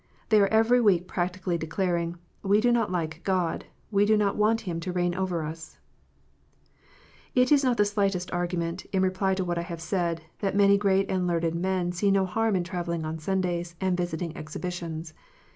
They are every week practically declaring, " We do not like God we do not icant Him to reign over us" It is not the slightest argument, in reply to what I have said, that many great and learned men see no harm in travelling on Sundays and visiting exhibitions.